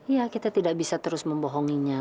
ya kita tidak bisa terus membohonginya